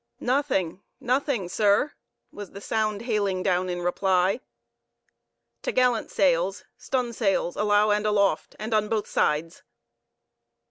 "Nothing, nothing, sir!" was the sound hailing down in reply. "T' gallant sails! stunsails alow and aloft, and on both sides!"